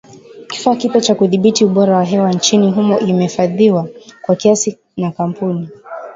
Kifaa kipya cha kudhibiti ubora wa hewa nchini humo kimefadhiliwa kwa kiasi na kampuni